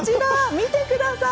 見てください。